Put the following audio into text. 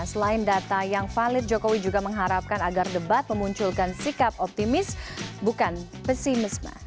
selain data yang valid jokowi juga mengharapkan agar debat memunculkan sikap optimis bukan pesimisme